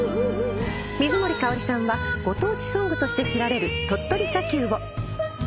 水森かおりさんはご当地ソングとして知られる『鳥取砂丘』を。